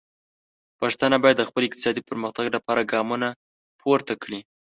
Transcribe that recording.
پښتانه باید د خپل اقتصادي پرمختګ لپاره ګامونه پورته کړي.